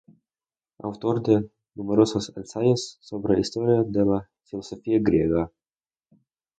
Autor de numerosos ensayos sobre historia de la filosofía griega.